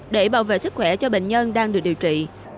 để bảo vệ sức khỏe cho bệnh nhân đang được điều trị